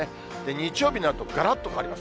日曜日になるとがらっと変わります。